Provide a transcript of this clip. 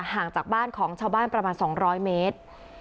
ห่างจากบ้านของชาวบ้านประมาณ๒๐๐เมตร